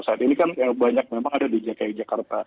saat ini kan banyak memang ada di dki jakarta